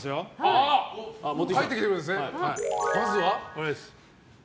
これです。